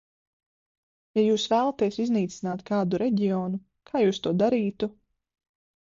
Ja jūs vēlaties iznīcināt kādu reģionu, kā jūs to darītu?